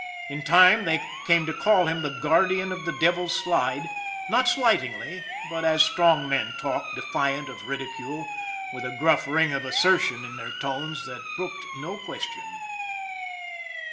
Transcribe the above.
In time they came to call him the Guardian of the Devil's Slide not slightingly, but as strong men talk, defiant of ridicule, with a gruff ring of assertion in their tones that brooked no question.